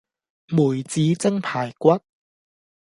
梅子蒸排骨